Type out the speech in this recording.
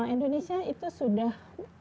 indonesia itu sudah